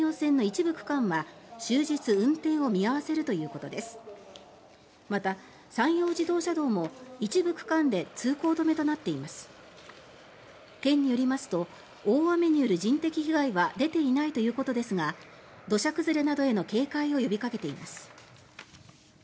県によりますと大雨による人的被害は出ていないということですが土砂崩れなどへの警戒を呼びかけています。